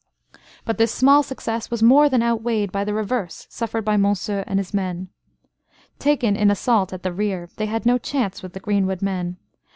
But this small success was more than outweighed by the reverse suffered by Monceux and his men. Taken in assault at the rear, they had no chance with the greenwood men.